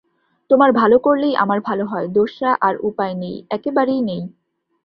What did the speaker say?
তোমার ভাল করলেই আমার ভাল হয়, দোসরা আর উপায় নেই, একেবারেই নেই।